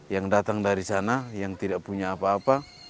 yang datang dari sana yang tidak punya apa apa